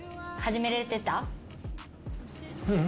ううん。